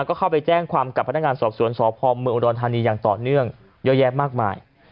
ก็เข้าไปแจ้งความกับพนักงานสอบสวนสพเมืองอุดรธานีอย่างต่อเนื่องเยอะแยะมากมาย